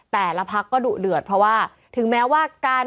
แต่ละพักก็ดุเดือดเพราะว่าถึงแม้ว่าการ